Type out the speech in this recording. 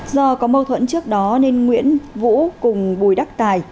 do có mâu thuẫn trước đó nên nguyễn vũ cùng bùi đắc tài